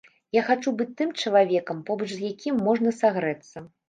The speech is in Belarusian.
Я хачу быць тым чалавекам, побач з якім можна сагрэцца.